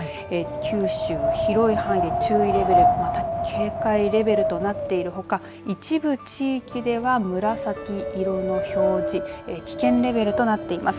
九州、広い範囲で注意レベルまた警戒レベルとなっているほか一部地域では紫色の表示危険レベルとなっています。